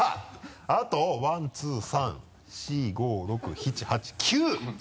あとワンツー３４５６７８９！